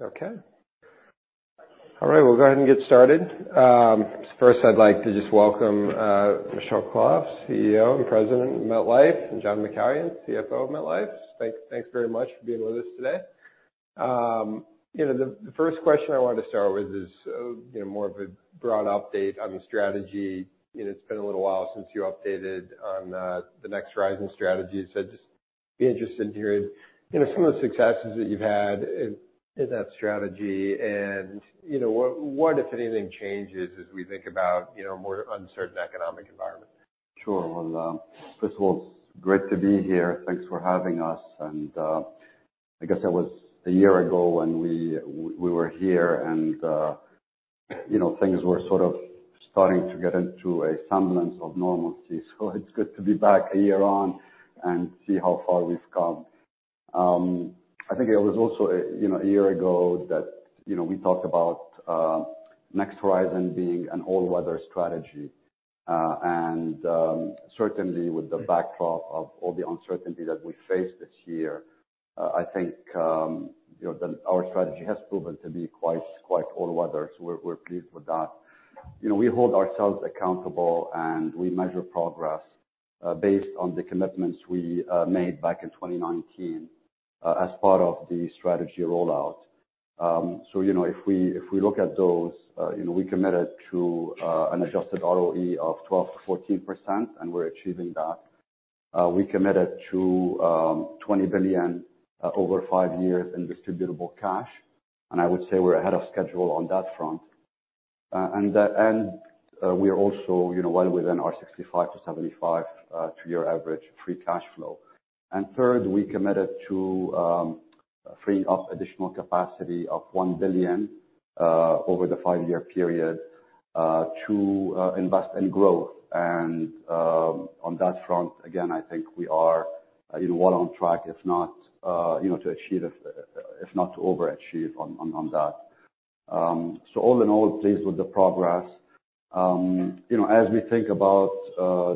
Okay. All right, we'll go ahead and get started. First I'd like to just welcome Michel Khalaf, CEO and President of MetLife, and John McCallion, CFO of MetLife. Thanks very much for being with us today. The first question I wanted to start with is more of a broad update on the strategy. It's been a little while since you updated on the Next Horizon strategy. I'd just be interested to hear some of the successes that you've had in that strategy and what, if anything, changes as we think about more uncertain economic environment. Sure. Well, first of all, it's great to be here. Thanks for having us. I guess it was a year ago when we were here and things were sort of starting to get into a semblance of normalcy. It's good to be back a year on and see how far we've come. I think it was also a year ago that we talked about Next Horizon being an all-weather strategy. Certainly with the backdrop of all the uncertainty that we faced this year, I think our strategy has proven to be quite all weather, so we're pleased with that. We hold ourselves accountable and we measure progress based on the commitments we made back in 2019 as part of the strategy rollout. If we look at those, we committed to an adjusted ROE of 12%-14%, and we're achieving that. We committed to $20 billion over 5 years in distributable cash, and I would say we're ahead of schedule on that front. We are also well within our 65 to 75 three-year average free cash flow. Third, we committed to freeing up additional capacity of $1 billion over the 5-year period, to invest in growth. On that front, again, I think we are well on track, if not to achieve, if not to overachieve on that. All in all, pleased with the progress. As we think about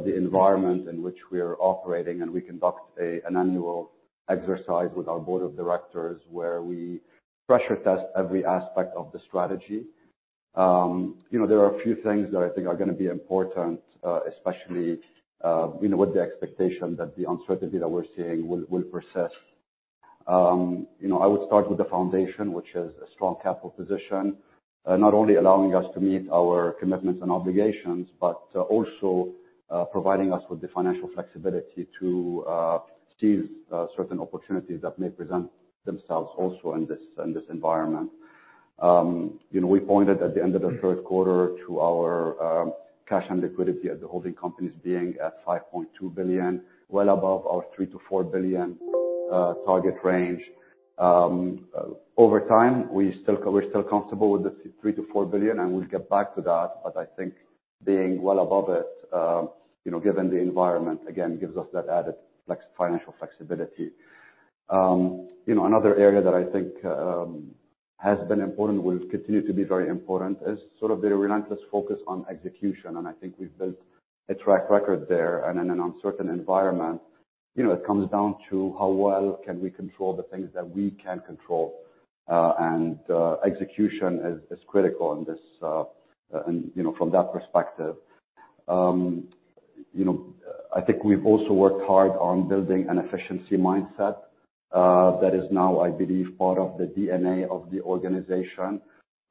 the environment in which we are operating and we conduct an annual exercise with our board of directors where we pressure test every aspect of the strategy. There are a few things that I think are going to be important, especially with the expectation that the uncertainty that we're seeing will persist. I would start with the foundation, which is a strong capital position, not only allowing us to meet our commitments and obligations, but also providing us with the financial flexibility to seize certain opportunities that may present themselves also in this environment. We pointed at the end of the third quarter to our cash and liquidity at the holding companies being at $5.2 billion, well above our $3 billion-$4 billion target range. Over time, we're still comfortable with the $3 billion-$4 billion, and we'll get back to that, but I think being well above it, given the environment, again, gives us that added financial flexibility. Another area that I think has been important, will continue to be very important, is sort of the relentless focus on execution. And I think we've built a track record there. In an uncertain environment, it comes down to how well can we control the things that we can control. Execution is critical from that perspective. I think we've also worked hard on building an efficiency mindset that is now, I believe, part of the DNA of the organization.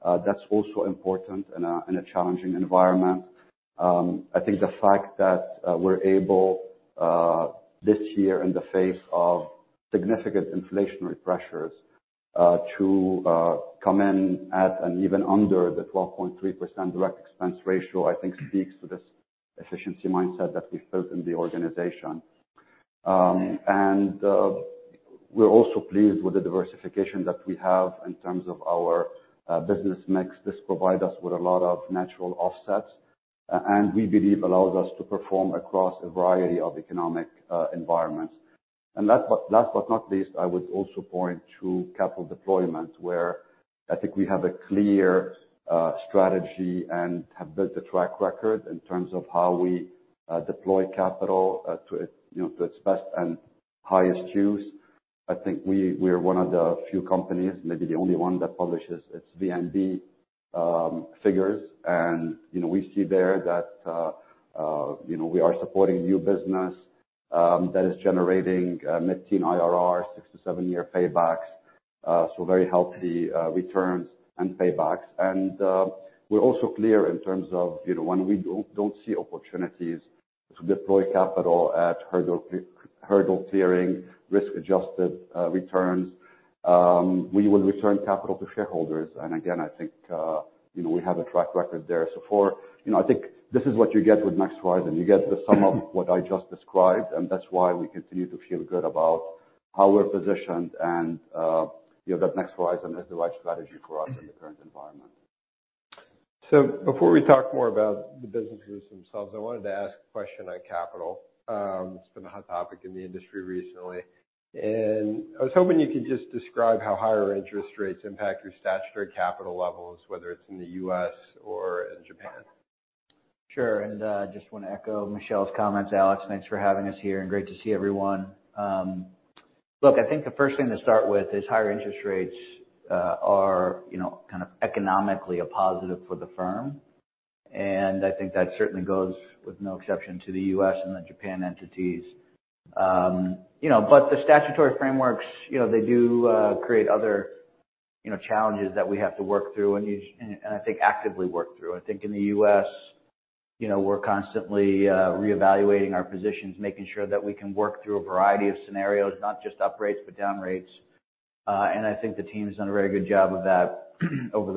That's also important in a challenging environment. I think the fact that we're able, this year in the face of significant inflationary pressures, to come in at an even under the 12.3% direct expense ratio, I think speaks to this efficiency mindset that we've built in the organization. We're also pleased with the diversification that we have in terms of our business mix. This provide us with a lot of natural offsets, and we believe allows us to perform across a variety of economic environments. Last but not least, I would also point to capital deployment, where I think we have a clear strategy and have built a track record in terms of how we deploy capital to its best and highest use. I think we are one of the few companies, maybe the only one, that publishes its VNB figures. We see there that we are supporting new business that is generating mid-teen IRR, six to seven-year paybacks. Very healthy returns and paybacks. We're also clear in terms of when we don't see opportunities to deploy capital at hurdle-clearing, risk-adjusted returns, we will return capital to shareholders. Again, I think we have a track record there. Far, I think this is what you get with Next Horizon. You get the sum of what I just described, that's why we continue to feel good about how we're positioned and that Next Horizon is the right strategy for us in the current environment. Before we talk more about the businesses themselves, I wanted to ask a question on capital. It's been a hot topic in the industry recently, I was hoping you could just describe how higher interest rates impact your statutory capital levels, whether it's in the U.S. or in Japan. Sure. I just want to echo Michel's comments, Alex, thanks for having us here, and great to see everyone. Look, I think the first thing to start with is higher interest rates are economically a positive for the firm, and I think that certainly goes with no exception to the U.S. and the Japan entities. But the statutory frameworks they do create other challenges that we have to work through and I think actively work through. I think in the U.S. we're constantly reevaluating our positions, making sure that we can work through a variety of scenarios, not just up rates, but down rates. I think the team's done a very good job of that over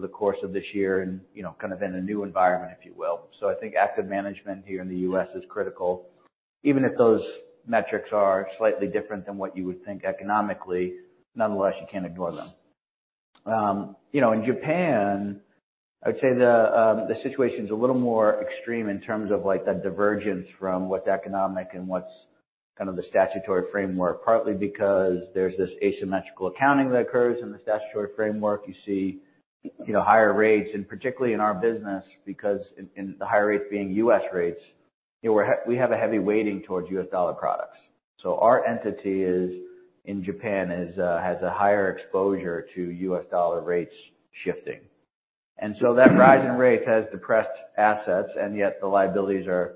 the course of this year and in a new environment, if you will. So I think active management here in the U.S. is critical. Even if those metrics are slightly different than what you would think economically, nonetheless, you can't ignore them. In Japan, I would say the situation's a little more extreme in terms of the divergence from what's economic and what's the statutory framework, partly because there's this asymmetrical accounting that occurs in the statutory framework. You see higher rates, and particularly in our business because in the higher rates being U.S. rates, we have a heavy weighting towards U.S. dollar products. So our entity in Japan has a higher exposure to U.S. dollar rates shifting. And so that rise in rates has depressed assets, and yet the liabilities are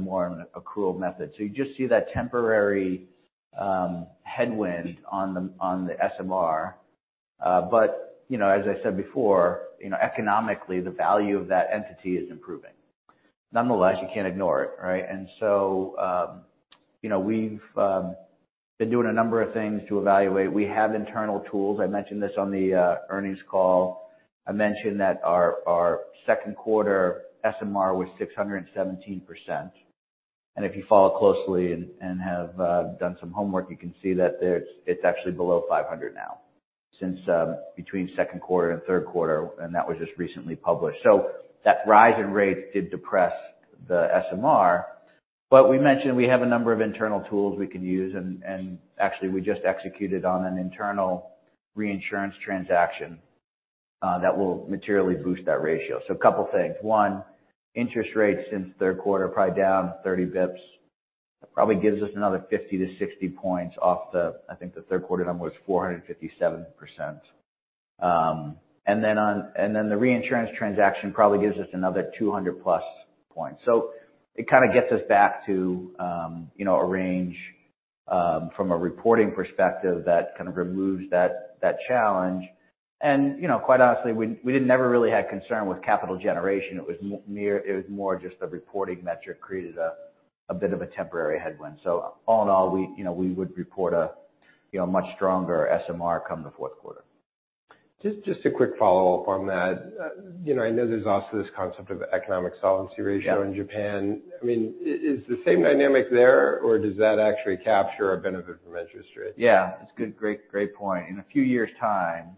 more on an accrual method. So you just see that temporary headwind on the SMR. But as I said before, economically the value of that entity is improving. Nonetheless, you can't ignore it, right? We've been doing a number of things to evaluate. We have internal tools. I mentioned this on the earnings call. I mentioned that our second quarter SMR was 617%, and if you follow closely and have done some homework, you can see that it's actually below 500 now since between second quarter and third quarter, and that was just recently published. So that rise in rates did depress the SMR. But we mentioned we have a number of internal tools we could use and actually we just executed on an internal reinsurance transaction that will materially boost that ratio. So a couple things. One, interest rates since third quarter, probably down 30 basis points. That probably gives us another 50 to 60 points off the, I think the third quarter number was 457%. And then the reinsurance transaction probably gives us another 200-plus points. It kind of gets us back to a range from a reporting perspective that kind of removes that challenge. And quite honestly, we didn't ever really had concern with capital generation. It was more just a reporting metric, created a bit of a temporary headwind. So all in all we would report a much stronger SMR come the fourth quarter. Just a quick follow-up on that. I know there's also this concept of economic solvency ratio in Japan. I mean, is the same dynamic there, or does that actually capture a benefit from interest rates? Yeah, it's a great point. In a few years' time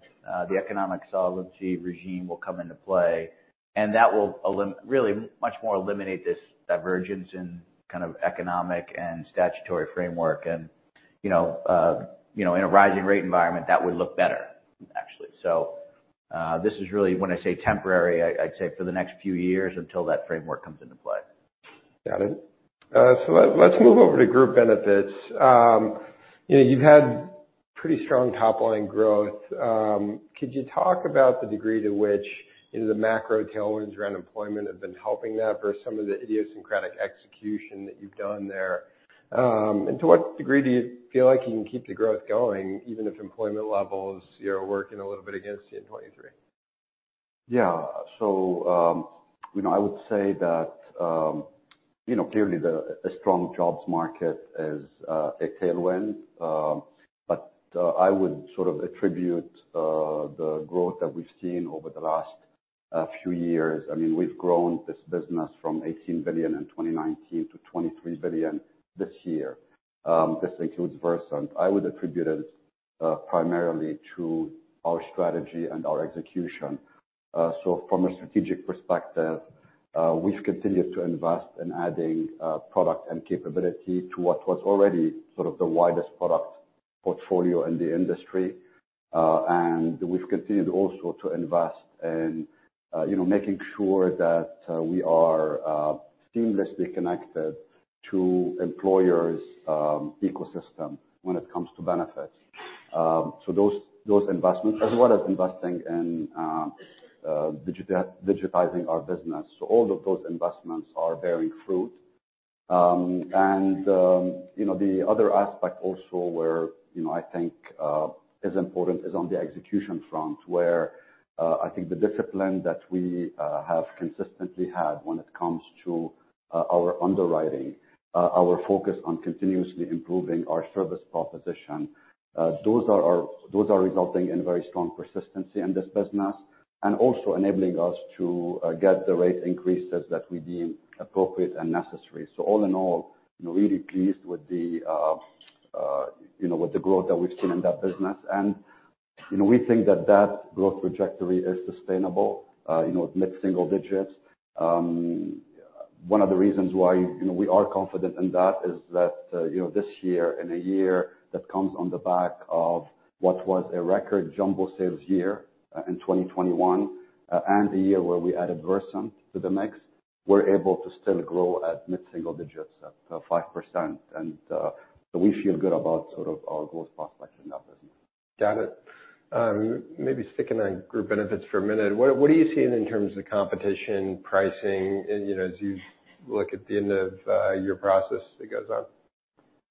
the economic solvency regime will come into play, and that will really much more eliminate this divergence in kind of economic and statutory framework and in a rising rate environment, that would look better, actually. This is really, when I say temporary, I'd say for the next few years until that framework comes into play. Got it. Let's move over to group benefits. You've had pretty strong top-line growth. Could you talk about the degree to which the macro tailwinds around employment have been helping that versus some of the idiosyncratic execution that you've done there? To what degree do you feel like you can keep the growth going, even if employment levels are working a little bit against you in 2023? Yeah. I would say that clearly the strong jobs market is a tailwind. I would sort of attribute the growth that we've seen over the last few years, I mean, we've grown this business from $18 billion in 2019 to $23 billion this year. This includes Versant. I would attribute it primarily to our strategy and our execution. From a strategic perspective, we've continued to invest in adding product and capability to what was already sort of the widest product portfolio in the industry. We've continued also to invest in making sure that we are seamlessly connected to employers' ecosystem when it comes to benefits. All of those investments as well as investing in digitizing our business are bearing fruit. The other aspect also where I think is important is on the execution front, where I think the discipline that we have consistently had when it comes to our underwriting, our focus on continuously improving our service proposition. Those are resulting in very strong persistency in this business and also enabling us to get the rate increases that we deem appropriate and necessary. All in all, really pleased with the growth that we've seen in that business. We think that that growth trajectory is sustainable at mid-single digits. One of the reasons why we are confident in that is that this year, in a year that comes on the back of what was a record jumbo sales year in 2021, and a year where we added Versant to the mix, we're able to still grow at mid-single digits, at 5%. We feel good about our growth prospects in that business. Got it. Maybe sticking on group benefits for a minute. What are you seeing in terms of competition, pricing, as you look at the end of your process that goes on?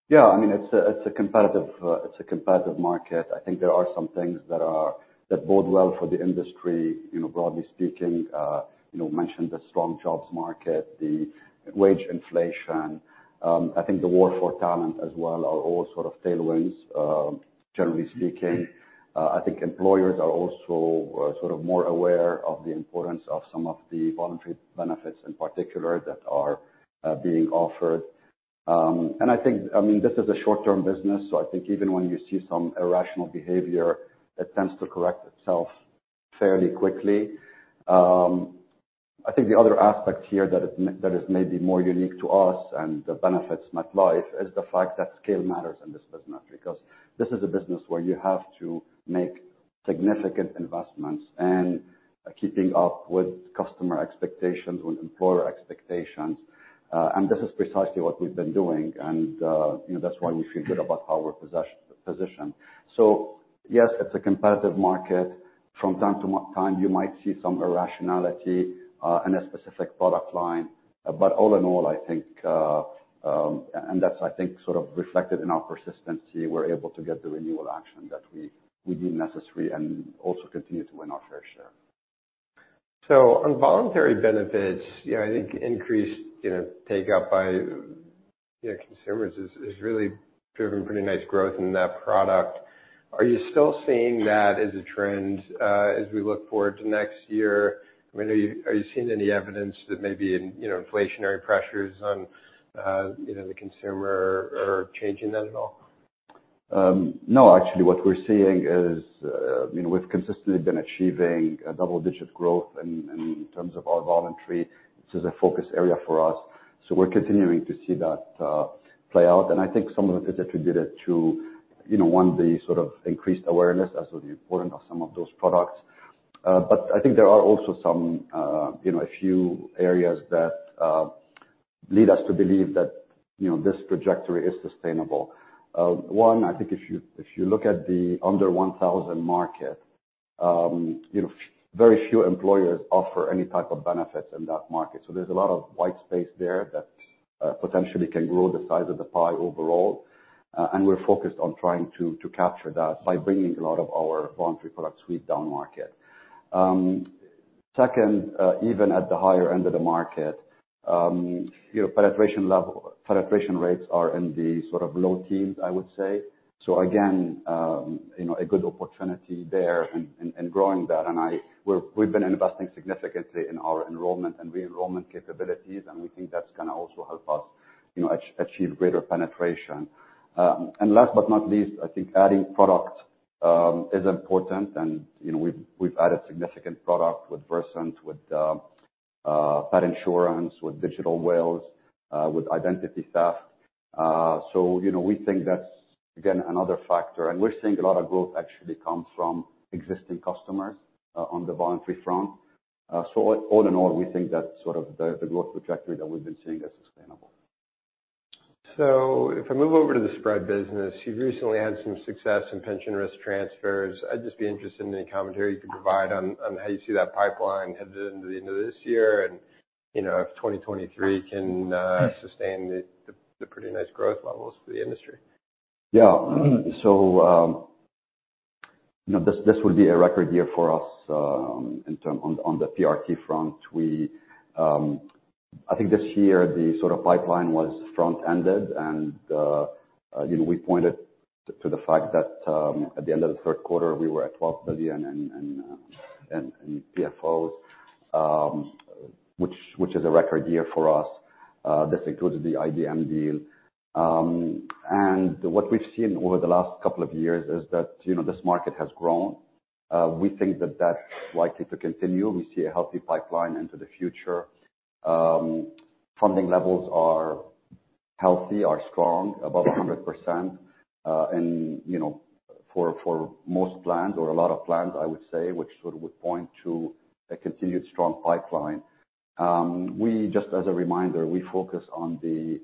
Yeah, it's a competitive market. I think there are some things that bode well for the industry, broadly speaking. I mentioned the strong jobs market, the wage inflation. I think the war for talent as well are all sort of tailwinds, generally speaking. I think employers are also more aware of the importance of some of the voluntary benefits in particular that are being offered. I think, this is a short-term business, so I think even when you see some irrational behavior, it tends to correct itself fairly quickly. I think the other aspect here that is maybe more unique to us and the benefits MetLife, is the fact that scale matters in this business because this is a business where you have to make significant investments and keeping up with customer expectations, with employer expectations. This is precisely what we've been doing, and that's why we feel good about our position. Yes, it's a competitive market. From time to time, you might see some irrationality in a specific product line. All in all, and that's sort of reflected in our persistency, we're able to get the renewal action that we deem necessary and also continue to win our fair share. On voluntary benefits, I think increased take-up by consumers is really driven pretty nice growth in that product. Are you still seeing that as a trend, as we look forward to next year? Are you seeing any evidence that maybe in inflationary pressures on the consumer are changing that at all? No, actually, what we're seeing is, we've consistently been achieving a double-digit growth in terms of our voluntary, which is a focus area for us. We're continuing to see that play out. I think some of it is attributed to, one, the sort of increased awareness as to the importance of some of those products. I think there are also a few areas that lead us to believe that this trajectory is sustainable. One, I think if you look at the under 1,000 market, very few employers offer any type of benefits in that market. There's a lot of white space there that potentially can grow the size of the pie overall. We're focused on trying to capture that by bringing a lot of our voluntary product suite down market. Second, even at the higher end of the market, penetration rates are in the low teens, I would say. Again, a good opportunity there in growing that, and we've been investing significantly in our enrollment and re-enrollment capabilities, and we think that's going to also help us achieve greater penetration. Last but not least, I think adding product is important and we've added significant product with Versant, with pet insurance, with digital wills, with Identity Theft. We think that's, again, another factor, and we're seeing a lot of growth actually come from existing customers on the voluntary front. All in all, we think that the growth trajectory that we've been seeing is sustainable. If I move over to the spread business, you've recently had some success in pension risk transfers. I'd just be interested in any commentary you could provide on how you see that pipeline headed into the end of this year and if 2023 can sustain the pretty nice growth levels for the industry. Yeah. This will be a record year for us on the PRT front. I think this year the pipeline was front-ended and we pointed to the fact that, at the end of the third quarter, we were at $12 billion in PFOs, which is a record year for us. This included the IBM deal. What we've seen over the last couple of years is that this market has grown. We think that that's likely to continue. We see a healthy pipeline into the future. Funding levels are healthy, are strong, above 100% in, for most plans or a lot of plans, I would say, which would point to a continued strong pipeline. Just as a reminder, we focus on the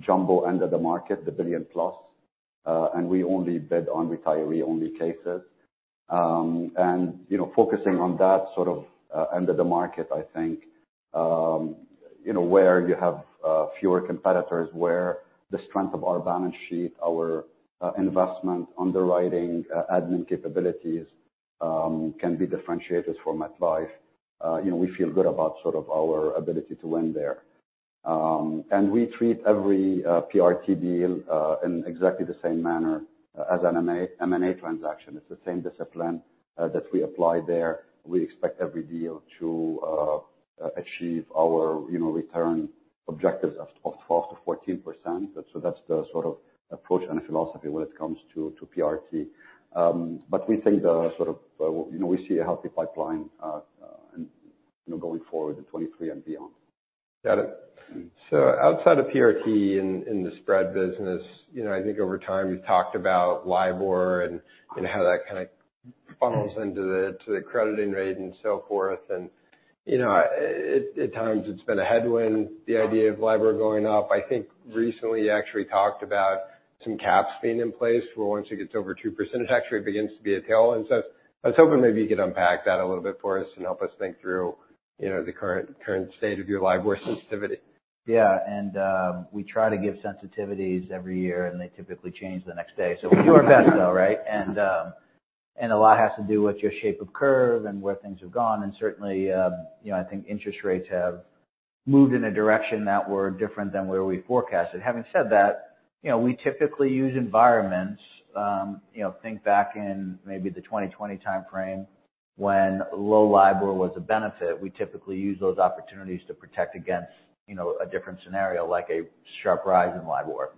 jumbo end of the market, the $1 billion plus, and we only bid on retiree-only cases. Focusing on that sort of end of the market, I think, where you have fewer competitors, where the strength of our balance sheet, our investment underwriting, admin capabilities can be differentiated for MetLife. We feel good about our ability to win there. We treat every PRT deal in exactly the same manner as an M&A transaction. It's the same discipline that we apply there. We expect every deal to achieve our return objectives of 12%-14%. That's the sort of approach and philosophy when it comes to PRT. We think we see a healthy pipeline going forward to 2023 and beyond. Got it. Outside of PRT in the spread business, I think over time you've talked about LIBOR and how that kind of funnels into the crediting rate and so forth. At times it's been a headwind, the idea of LIBOR going up. I think recently you actually talked about some caps being in place for once it gets over 2%, it actually begins to be a tailwind. I was hoping maybe you could unpack that a little bit for us and help us think through the current state of your LIBOR sensitivity. Yeah. We try to give sensitivities every year, and they typically change the next day. We do our best though, right? A lot has to do with your shape of curve and where things have gone. Certainly I think interest rates have moved in a direction that we're different than where we forecasted. Having said that, we typically use environments. Think back in maybe the 2020 timeframe when low LIBOR was a benefit. We typically use those opportunities to protect against a different scenario, like a sharp rise in LIBOR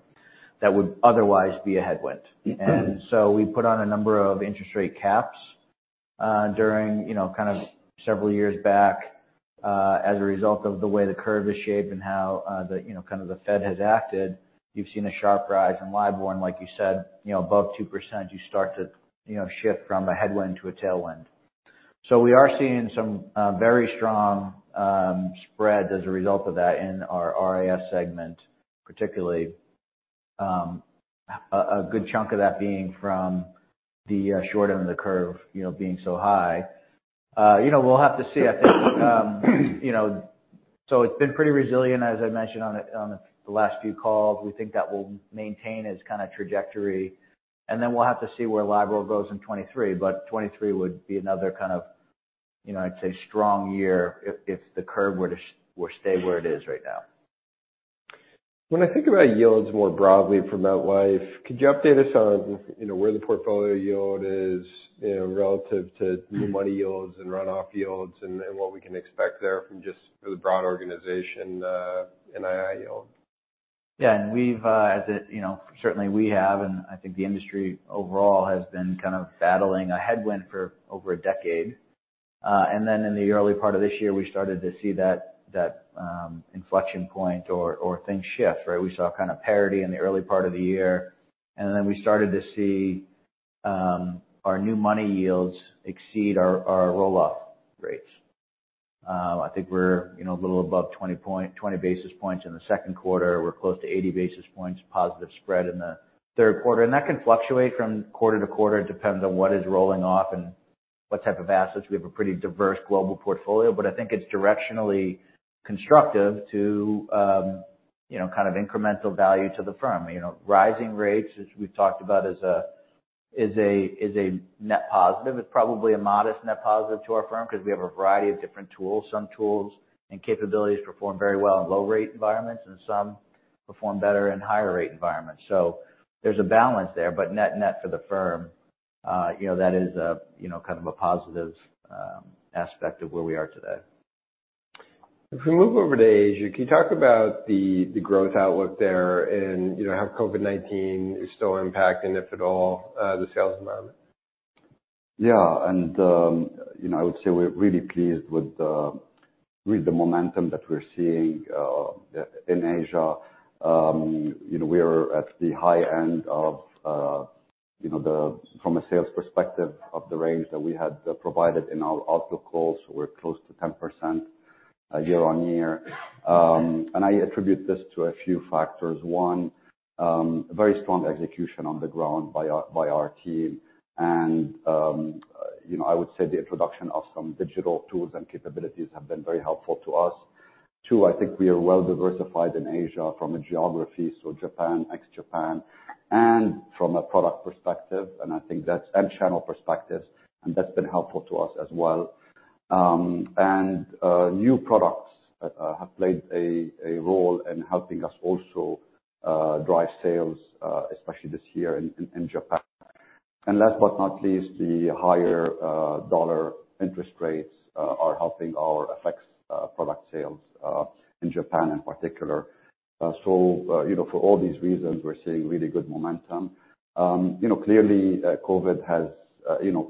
that would otherwise be a headwind. We put on a number of interest rate caps during kind of several years back as a result of the way the curve is shaped and how the Fed has acted. You've seen a sharp rise in LIBOR and like you said, above 2%, you start to shift from a headwind to a tailwind. We are seeing some very strong spreads as a result of that in our RAS segment, particularly a good chunk of that being from the short end of the curve being so high. We'll have to see, I think. It's been pretty resilient as I mentioned on the last few calls. We think that will maintain its kind of trajectory, and then we'll have to see where LIBOR goes in 2023. 2023 would be another kind of, I'd say, strong year if the curve were to stay where it is right now. When I think about yields more broadly for MetLife, could you update us on where the portfolio yield is relative to new money yields and runoff yields and what we can expect there from just for the broad organization NII yield? Yeah. Certainly, we have, I think the industry overall has been kind of battling a headwind for over a decade. In the early part of this year, we started to see that inflection point or things shift, right? We saw kind of parity in the early part of the year, then we started to see our new money yields exceed our roll-off rates. I think we're a little above 20 basis points in the second quarter. We're close to 80 basis points positive spread in the third quarter. That can fluctuate from quarter to quarter. It depends on what is rolling off and what type of assets. We have a pretty diverse global portfolio. I think it's directionally constructive to kind of incremental value to the firm. Rising rates, as we've talked about, is a net positive. It's probably a modest net positive to our firm because we have a variety of different tools. Some tools and capabilities perform very well in low rate environments, and some perform better in higher rate environments. There's a balance there. Net for the firm that is kind of a positive aspect of where we are today. If we move over to Asia, can you talk about the growth outlook there and how COVID-19 is still impacting, if at all, the sales environment? I would say we're really pleased with the momentum that we're seeing in Asia. We are at the high end from a sales perspective of the range that we had provided in our outlook calls. We're close to 10% year-on-year. I attribute this to a few factors. One, very strong execution on the ground by our team. I would say the introduction of some digital tools and capabilities have been very helpful to us. Two, I think we are well diversified in Asia from a geography, so Japan, ex-Japan, and from a product perspective, and channel perspective, and that's been helpful to us as well. New products have played a role in helping us also drive sales, especially this year in Japan. Last but not least, the higher dollar interest rates are helping our FX product sales in Japan in particular. For all these reasons, we're seeing really good momentum. Clearly, COVID has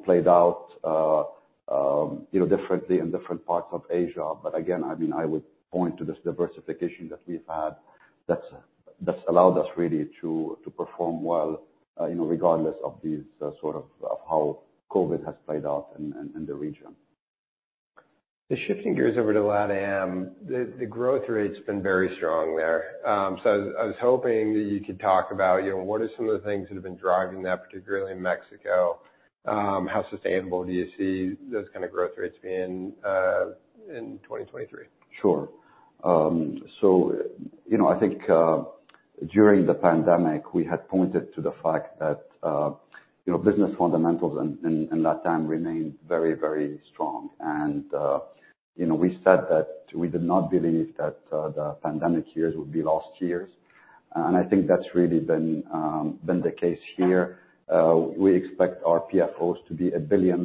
played out differently in different parts of Asia. Again, I would point to this diversification that we've had that's allowed us really to perform well regardless of how COVID has played out in the region. Shifting gears over to LATAM, the growth rate's been very strong there. I was hoping that you could talk about what are some of the things that have been driving that, particularly in Mexico. How sustainable do you see those kind of growth rates being in 2023? Sure. I think during the pandemic we had pointed to the fact that business fundamentals in LATAM remained very strong. We said that we did not believe that the pandemic years would be lost years. I think that's really been the case here. We expect our PFOs to be $1 billion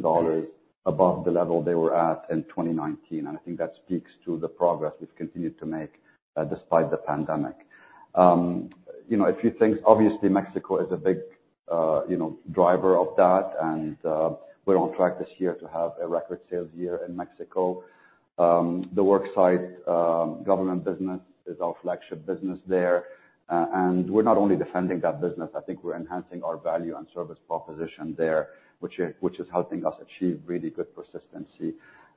above the level they were at in 2019, and I think that speaks to the progress we've continued to make despite the pandemic. Obviously, Mexico is a big driver of that, we're on track this year to have a record sales year in Mexico. The work site government business is our flagship business there. We're not only defending that business, I think we're enhancing our value and service proposition there, which is helping us achieve really good persistency.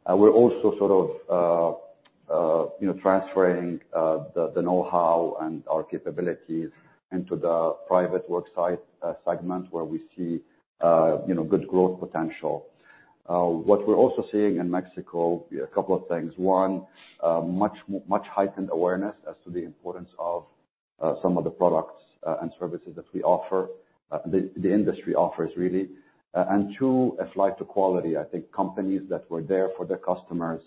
We're also transferring the knowhow and our capabilities into the private work site segment where we see good growth potential. What we're also seeing in Mexico, a couple of things. One, much heightened awareness as to the importance of some of the products and services that we offer, the industry offers really. Two, a flight to quality. I think companies that were there for their customers,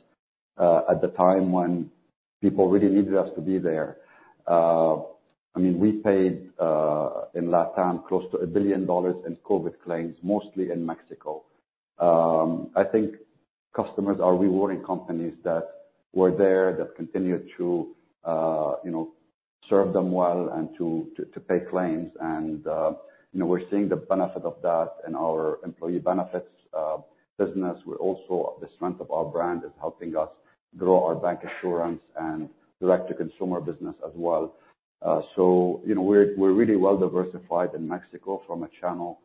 at the time when people really needed us to be there. We paid, in LATAM, close to $1 billion in COVID claims, mostly in Mexico. I think customers are rewarding companies that were there, that continued to serve them well and to pay claims. We're seeing the benefit of that in our employee benefits business. The strength of our brand is helping us grow our bancassurance and direct-to-consumer business as well. We're really well-diversified in Mexico from a channel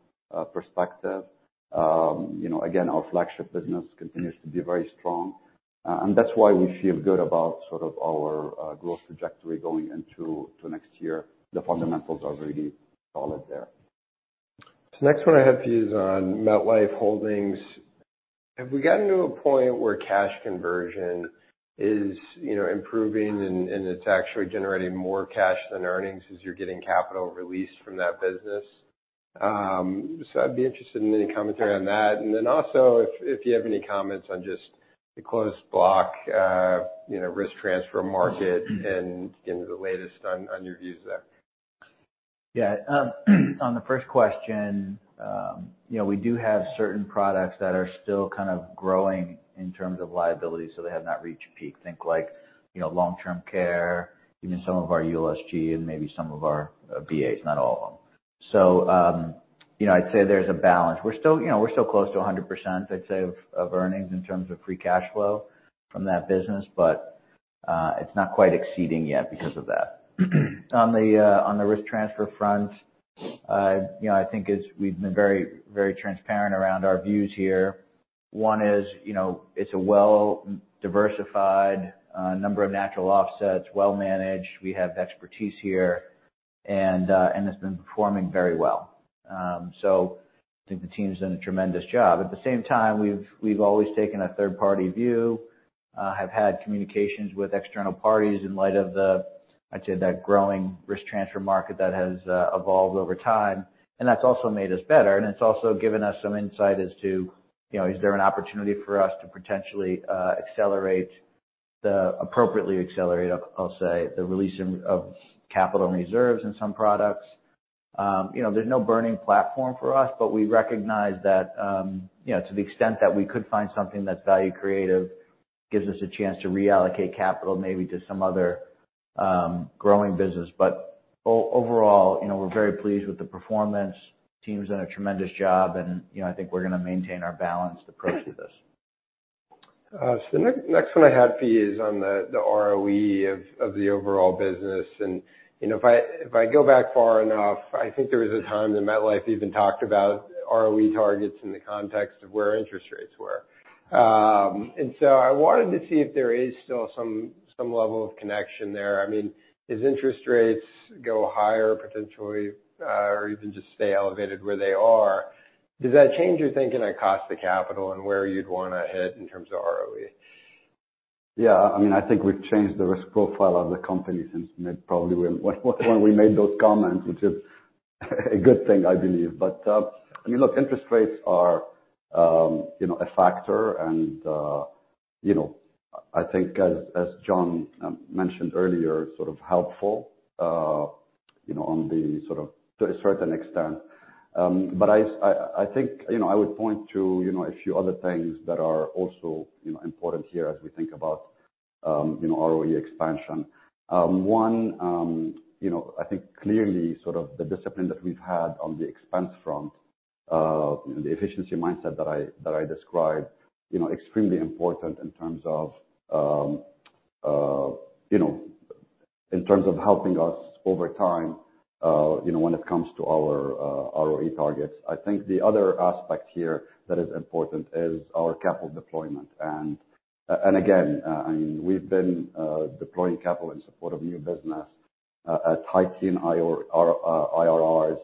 perspective. Again, our flagship business continues to be very strong. That's why we feel good about our growth trajectory going into next year. The fundamentals are really solid there. Next one I have for you is on MetLife Holdings. Have we gotten to a point where cash conversion is improving and it's actually generating more cash than earnings as you're getting capital release from that business? I'd be interested in any commentary on that. Then also, if you have any comments on just the closed block, risk transfer market and the latest on your views there. On the first question, we do have certain products that are still kind of growing in terms of liability, so they have not reached peak. Think like long-term care, even some of our USG and maybe some of our BAs, not all of them. I'd say there's a balance. We're still close to 100%, I'd say, of earnings in terms of free cash flow from that business. It's not quite exceeding yet because of that. On the risk transfer front, I think we've been very transparent around our views here. One is, it's a well-diversified number of natural offsets, well-managed. We have expertise here, and it's been performing very well. I think the team's done a tremendous job. At the same time, we've always taken a third-party view, have had communications with external parties in light of the, I'd say, that growing risk transfer market that has evolved over time, and that's also made us better. It's also given us some insight as to, is there an opportunity for us to potentially appropriately accelerate, I'll say, the release of capital and reserves in some products? There's no burning platform for us, but we recognize that to the extent that we could find something that's value creative, gives us a chance to reallocate capital maybe to some other growing business. Overall, we're very pleased with the performance. Team's done a tremendous job, and I think we're going to maintain our balanced approach to this. The next one I had for you is on the ROE of the overall business. If I go back far enough, I think there was a time that MetLife even talked about ROE targets in the context of where interest rates were. So I wanted to see if there is still some level of connection there. As interest rates go higher potentially, or even just stay elevated where they are, does that change your thinking on cost of capital and where you'd want to hit in terms of ROE? Yeah. I think we've changed the risk profile of the company since probably when we made those comments, which is a good thing, I believe. Look, interest rates are a factor and I think as John mentioned earlier, sort of helpful on a certain extent. I think I would point to a few other things that are also important here as we think about ROE expansion. One, I think clearly the discipline that we've had on the expense front, the efficiency mindset that I described, extremely important in terms of helping us over time when it comes to our ROE targets. I think the other aspect here that is important is our capital deployment. Again, we've been deploying capital in support of new business at high teen IRRs.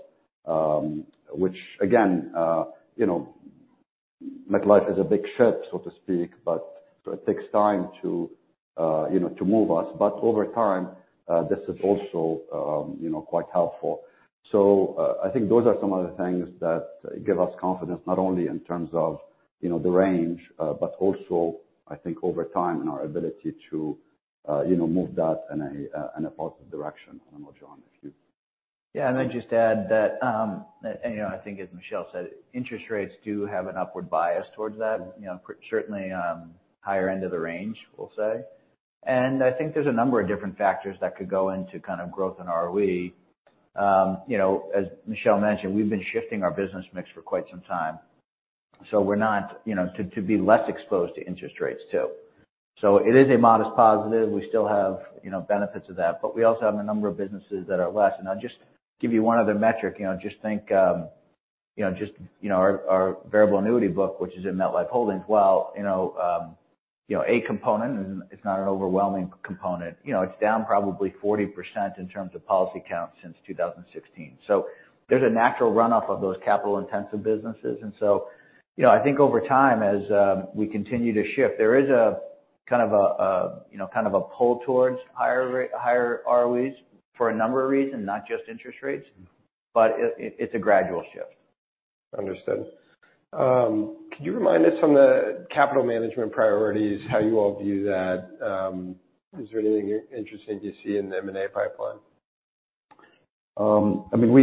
Which again, MetLife is a big ship, so to speak, so it takes time to move us. Over time, this is also quite helpful. I think those are some of the things that give us confidence, not only in terms of the range, but also I think over time in our ability to move that in a positive direction. I don't know, John, if you- Yeah. I'd just add that, I think as Michel said, interest rates do have an upward bias towards that. Certainly higher end of the range, we'll say. I think there's a number of different factors that could go into kind of growth in ROE. As Michel mentioned, we've been shifting our business mix for quite some time to be less exposed to interest rates, too. It is a modest positive. We still have benefits of that, but we also have a number of businesses that are less. I'll just give you one other metric, just think, our variable annuity book, which is in MetLife Holdings. Well, a component is not an overwhelming component. It's down probably 40% in terms of policy count since 2016. There's a natural runoff of those capital intensive businesses. I think over time as we continue to shift, there is a kind of a pull towards higher ROEs for a number of reasons, not just interest rates, but it's a gradual shift. Understood. Could you remind us on the capital management priorities, how you all view that? Is there anything interesting you see in the M&A pipeline?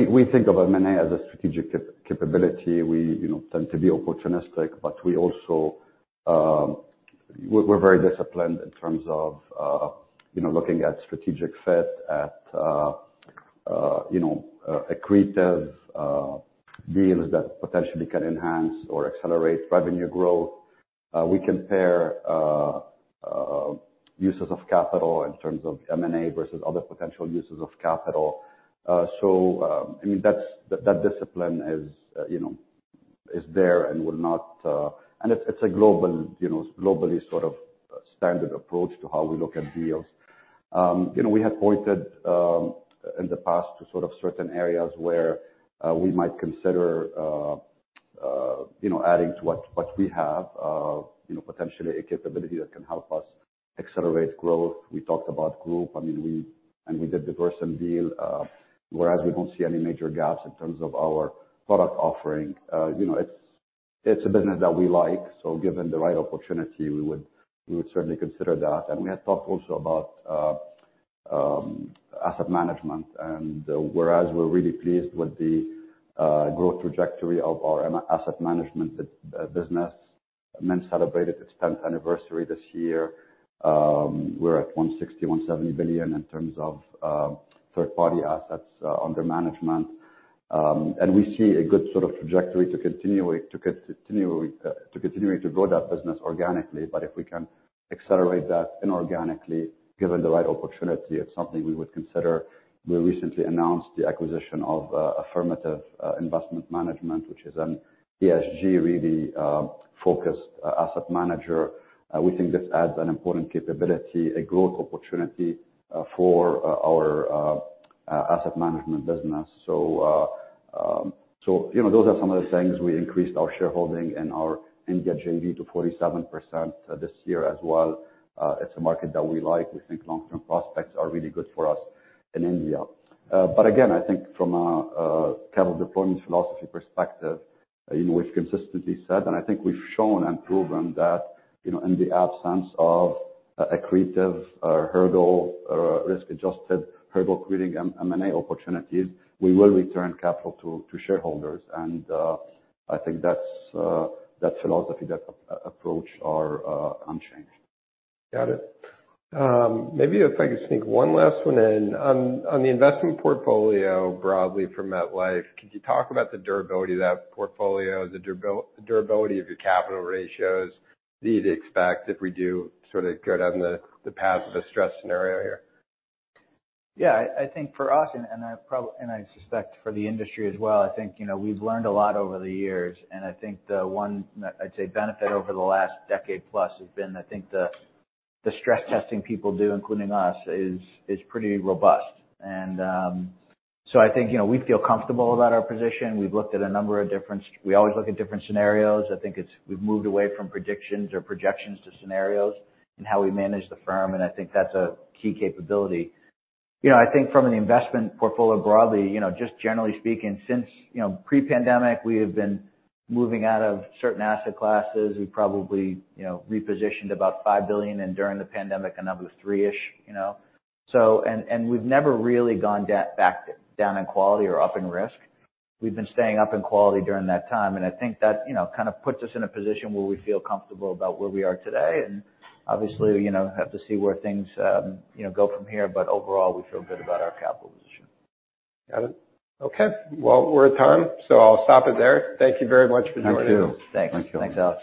We think of M&A as a strategic capability. We tend to be opportunistic, but we also are very disciplined in terms of looking at strategic fit at accretive deals that potentially can enhance or accelerate revenue growth. We compare uses of capital in terms of M&A versus other potential uses of capital. That discipline is there. It's a globally sort of standard approach to how we look at deals. We have pointed in the past to sort of certain areas where we might consider adding to what we have, potentially a capability that can help us accelerate growth. We talked about group, and we did the Versant deal, whereas we don't see any major gaps in terms of our product offering. It's a business that we like. Given the right opportunity, we would certainly consider that. We had talked also about asset management, and whereas we're really pleased with the growth trajectory of our asset management business. MIM celebrated its 10th anniversary this year. We're at $160 billion, $170 billion in terms of third-party assets under management. We see a good sort of trajectory to continuing to grow that business organically. If we can accelerate that inorganically, given the right opportunity, it's something we would consider. We recently announced the acquisition of Affirmative Investment Management, which is an ESG really focused asset manager. We think this adds an important capability, a growth opportunity for our asset management business. Those are some of the things. We increased our shareholding in our India JV to 47% this year as well. It's a market that we like. We think long-term prospects are really good for us in India. Again, I think from a capital deployment philosophy perspective, in which consistently said, and I think we've shown and proven that, in the absence of accretive hurdle or risk-adjusted hurdle cleating M&A opportunities, we will return capital to shareholders. I think that philosophy, that approach are unchanged. Got it. Maybe if I could sneak one last one in. On the investment portfolio broadly for MetLife, could you talk about the durability of that portfolio, the durability of your capital ratios, need to expect if we do sort of go down the path of a stress scenario here? I think for us, I suspect for the industry as well, we've learned a lot over the years, the one, I'd say, benefit over the last decade plus has been, the stress testing people do, including us, is pretty robust. We feel comfortable about our position. We always look at different scenarios. We've moved away from predictions or projections to scenarios and how we manage the firm, that's a key capability. From an investment portfolio broadly, just generally speaking, since pre-pandemic, we have been moving out of certain asset classes. We probably repositioned about $5 billion and during the pandemic, a number of 3-ish. We've never really gone back down in quality or up in risk. We've been staying up in quality during that time, that kind of puts us in a position where we feel comfortable about where we are today. Obviously, have to see where things go from here, but overall, we feel good about our capital position. Got it. Okay. We're at time, I'll stop it there. Thank you very much for joining us. Thank you. Thanks. Thanks, Alex.